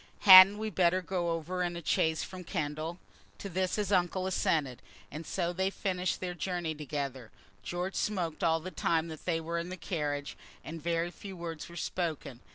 "Hadn't we better go over in a chaise from Kendal?" To this the uncle assented, and so they finished their journey together. George smoked all the time that they were in the carriage, and very few words were spoken.